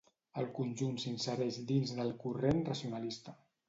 El conjunt s'insereix dins del corrent racionalista.